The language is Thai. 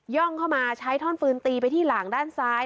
่องเข้ามาใช้ท่อนปืนตีไปที่หลังด้านซ้าย